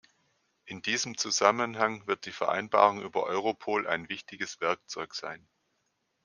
In diesem Zusammenhang wird die Vereinbarung über Europol ein wichtiges Werkzeug sein.